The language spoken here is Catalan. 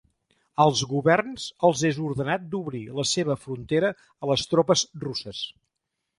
Als governs els és ordenat d'obrir la seva frontera a les tropes russes.